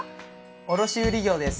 卸売業です。